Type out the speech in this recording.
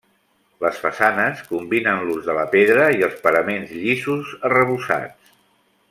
Les façanes combinen l'ús de la pedra i els paraments llisos arrebossats.